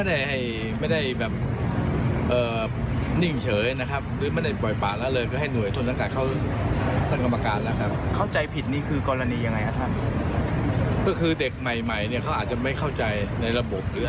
ในระบบหรืออะไรก็แล้วแต่นะครับ